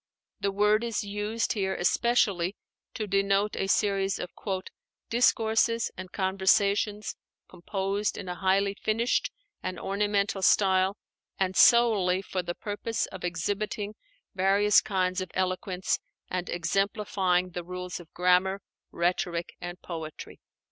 The word is used here especially to denote a series of "discourses and conversations composed in a highly finished and ornamental style, and solely for the purpose of exhibiting various kinds of eloquence, and exemplifying the rules of grammar, rhetoric, and poetry."